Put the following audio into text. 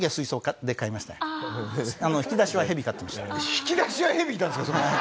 引き出しはヘビいたんですか。